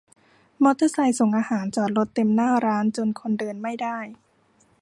มอเตอร์ไซค์ส่งอาหารจอดรถเต็มหน้าร้าน จนคนเดินไม่ได้